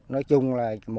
nói chung là